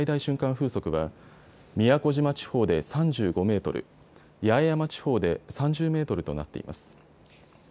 風速は宮古島地方で３５メートル、八重山地方で３０メートルとなっています。